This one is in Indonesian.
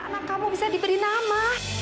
anak kamu bisa diberi nama